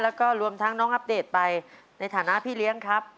แล้วก็รวมทั้งน้องอัปเดตไปในฐานะพี่เลี้ยงครับ